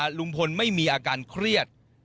เวลาว่าโล่งพลไม่มีอาการเครียด